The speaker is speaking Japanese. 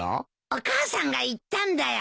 お母さんが言ったんだよ。